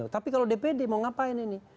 tapi kalau dpd mau ngapain ini